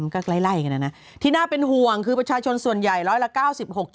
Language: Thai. ก็ใกล้กันนะนะที่น่าเป็นห่วงคือประชาชนส่วนใหญ่ร้อยละ๙๖